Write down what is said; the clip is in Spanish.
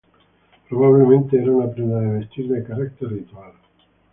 Probablemente era una prenda de vestir de carácter ritual.